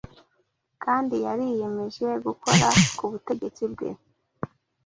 kandi yariyemeje gukomera ku butegetsi bwe